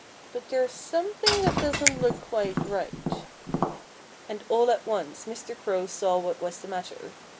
But there's something that doesn't look quite right." And all at once Mr. Crow saw what was the matter.